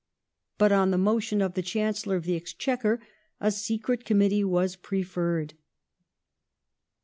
But on the motion of the Chancellor of the Exchequer a Secret Committee was preferred.